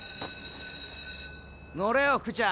乗れよ福ちゃん。